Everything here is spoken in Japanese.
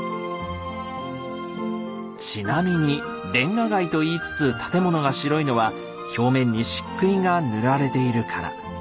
ちなみにレンガ街と言いつつ建物が白いのは表面に漆喰が塗られているから。